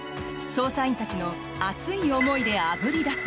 捜査員たちの熱い思いであぶり出す